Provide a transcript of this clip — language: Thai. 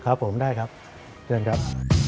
ครับผมได้ครับเชิญครับ